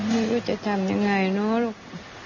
ไม่รู้จะทำยังไงเนาะลูก